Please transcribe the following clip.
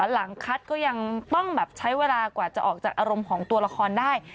หลังคัดก็ยังต้องแบบใช้เวลากว่าจะออกจากอารมณ์ของตัวละครได้